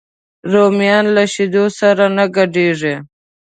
رومیان له شیدو سره نه ګډېږي